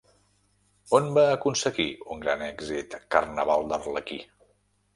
On va aconseguir un gran èxit Carnaval d'Arlequí?